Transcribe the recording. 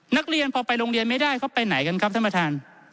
นักเรียนพอไปโรงเรียนไม่ได้เขาไปไหนกันครับท่านประธาน